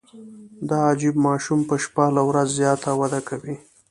دا عجیب ماشوم په شپه له ورځ زیاته وده کوي.